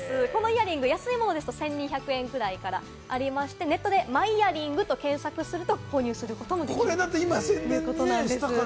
このイアリング、安いもので１２００円くらいからありまして、ネットで「マイヤリング」と検索すると購入することができるということです。